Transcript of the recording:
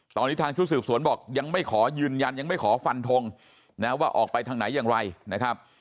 ตอนนี้ทางชุดสืบสวนบอกยังไม่ขอยืนยันยังไม่ขอฟันทงนะว่าออกไปทางไหนอย่างไรนะครับ